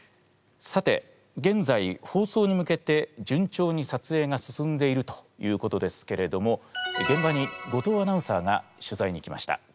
さて現在放送に向けて順調にさつえいが進んでいるということですけれども現場に後藤アナウンサーが取材に行きました。